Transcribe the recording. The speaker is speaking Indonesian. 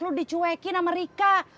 lu dicuekin sama rika